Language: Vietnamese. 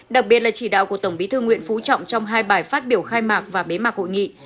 đặc biệt là chỉ đạo của tổng bí thư nguyễn phú trọng trong hai bài phát biểu khai mạc và bế mạc hội nghị